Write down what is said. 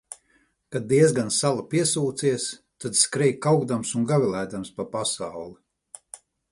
Kad diezgan sala piesūcies, tad skrej kaukdams un gavilēdams pa pasauli.